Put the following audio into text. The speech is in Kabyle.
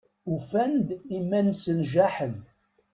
Ufan-d iman-nsen jaḥen.